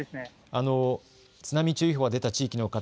津波注意報が出た地域の方